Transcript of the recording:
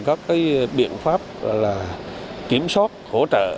có cái biện pháp là kiểm soát hỗ trợ